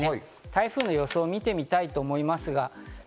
台風の予想を見てみたいと思いますが。